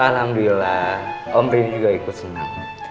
alhamdulillah om prince juga ikut senang